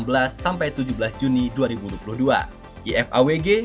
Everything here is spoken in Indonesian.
bank indonesia dan kementerian keuangan